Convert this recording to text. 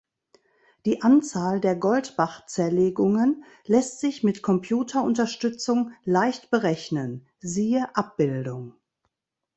Die Anzahl der Goldbach-Zerlegungen lässt sich mit Computerunterstützung leicht berechnen, siehe Abbildung.